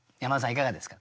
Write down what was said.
いかがですか？